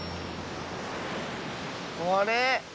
あれ？